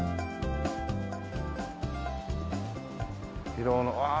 広尾のああ